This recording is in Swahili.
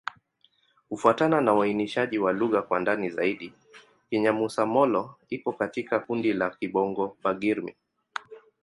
Kufuatana na uainishaji wa lugha kwa ndani zaidi, Kinyamusa-Molo iko katika kundi la Kibongo-Bagirmi.